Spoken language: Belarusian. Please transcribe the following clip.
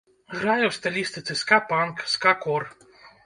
Грае ў стылістыцы ска-панк, ска-кор.